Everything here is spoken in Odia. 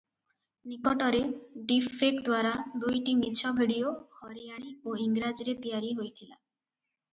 ନିକଟରେ "ଡିପଫେକ"ଦ୍ୱାରା ଦୁଇଟି ମିଛ ଭିଡ଼ିଓ ହରିୟାଣୀ ଓ ଇଂରାଜୀରେ ତିଆରି ହୋଇଥିଲା ।